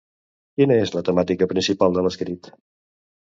Quina és la temàtica principal de l'escrit?